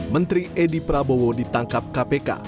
menteri edi prabowo ditangkap kpk